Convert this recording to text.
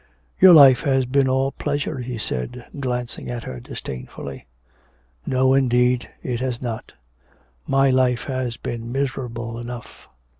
'Your life has been all pleasure,' he said, glancing at her disdainfully. 'No, indeed, it has not. My life has been miserable enough.